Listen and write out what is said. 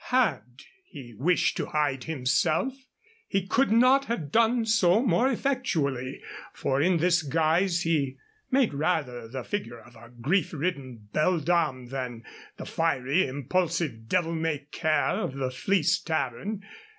Had he wished to hide himself, he could not have done so more effectually, for in this guise he made rather the figure of a grief ridden beldam than the fiery, impulsive devil may care of the Fleece Tavern.